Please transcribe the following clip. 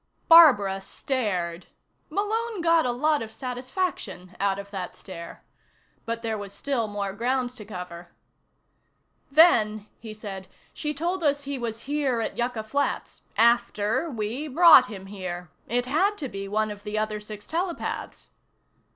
Barbara stared. Malone got a lot of satisfaction out of that stare. But there was still more ground to cover. "Then," he said, "she told us he was here at Yucca Flats after we brought him here! It had to be one of the other six telepaths."